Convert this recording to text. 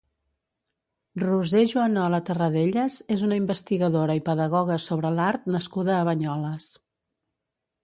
Roser Juanola Terradellas és una investigadora i pedagoga sobre l'art nascuda a Banyoles.